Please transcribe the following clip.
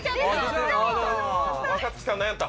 若槻さん何やった？